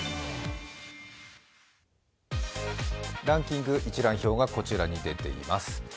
ランキング一覧表がこちらに出ています。